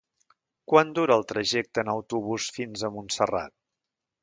Quant dura el trajecte en autobús fins a Montserrat?